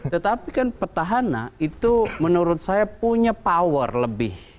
tetapi kan petahana itu menurut saya punya power lebih